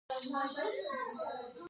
هونیان پیاوړی دښمن او متحد ګڼل کېده